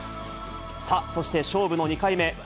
さあ、そして勝負の２回目。